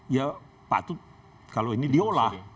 ya patut kalau ini diolah